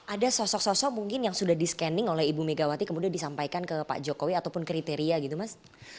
ada sosok sosok mungkin yang sudah di scanning oleh ibu megawati kemudian disampaikan ke pak jokowi ataupun kriteria gitu mas